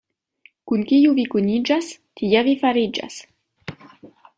Kun kiu vi kuniĝas, tia vi fariĝas.